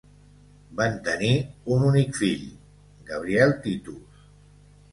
Van tenir un únic fill, Gabriel Titus.